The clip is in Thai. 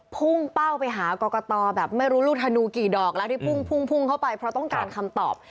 พุ่งเป้าไปหากรกตแบบไม่รู้ลูกธนูกี่ดอกแล้วที่พุ่งพุ่งเข้าไปเพราะต้องการคำตอบ